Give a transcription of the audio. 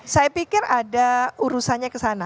saya pikir ada urusannya kesana